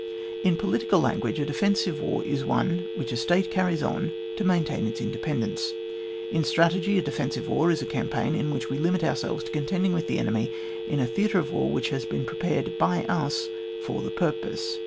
1 . In i)olitical language, a defensive war is one which a State carries on to maintain its independence : in strategy, a defensive war is a campaign in which we limit ourselves to contending with the enemy in a theatre of war which has been pre pared by us for the purpose.